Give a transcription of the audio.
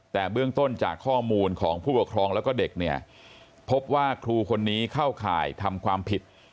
แต่เบื้องต้นจากข้อมูลของผู้ปกครองแล้วก็เด็กเนี่ยพบว่าครูคนนี้เข้าข่ายทำความผิด